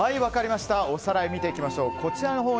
おさらい、見ていきましょう。